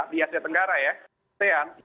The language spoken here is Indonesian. di asia tenggara ya asean